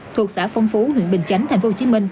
thuộc xã phong phú huyện bình chánh tp hcm